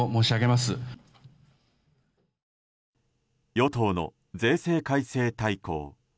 与党の税制改正大綱。